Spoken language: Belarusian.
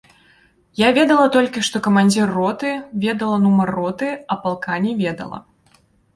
Я ведала толькі, што камандзір роты, ведала нумар роты, а палка не ведала.